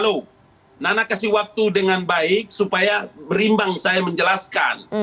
loh nana kasih waktu dengan baik supaya berimbang saya menjelaskan